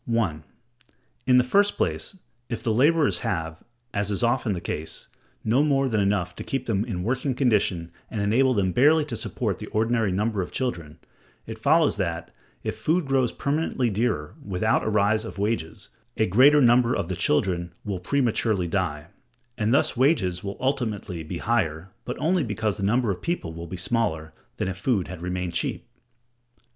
(1.) In the first place, if the laborers have, as is often the case, no more than enough to keep them in working condition and enable them barely to support the ordinary number of children, it follows that, if food grows permanently dearer without a rise of wages, a greater number of the children will prematurely die; and thus wages will ultimately be higher, but only because the number of people will be smaller, than if food had remained cheap.